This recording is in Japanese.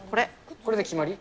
これで決まり。